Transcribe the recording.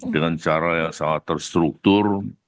dengan cara yang sangat terstruktur